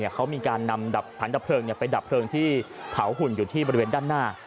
เขามีการนำดับฐานดับเพลิงไปดับเพลิงที่เผาหุ่นอยู่ที่บริเวณด้านหน้า